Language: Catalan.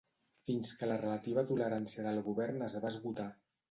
Fins que la relativa tolerància del govern es va esgotar.